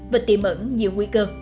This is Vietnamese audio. và tìm ẩn nhiều nguy cơ